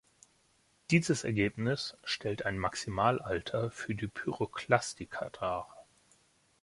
Dieses Ergebnis stellt ein Maximalalter für die Pyroklastika dar.